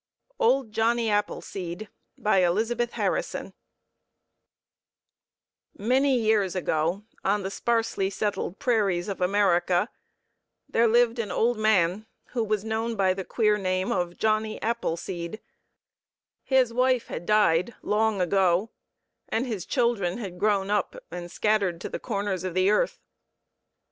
OLD JOHNNY APPLESEED By Elizabeth Harrison Many years ago on the sparsely settled prairies of America there lived an old man who was known by the queer name of "Johnny Appleseed" His wife had died long ago and his children had grown up and scattered to the corners of the earth.